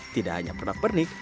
tidak hanya pernak pernik